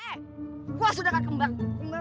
eh gua sudah akan kembang